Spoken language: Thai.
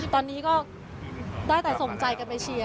ตอนนี้ก็ได้แต่ส่งใจกันไปเชียร์